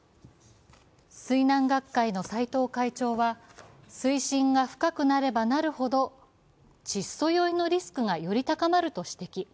水難学会の斎藤会長は、水深が深くなればなるほど窒素酔いのリスクがより高まると指摘。